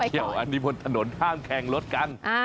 ไม่เกี่ยวอันนี้บนถนนห้ามแคงรถกัน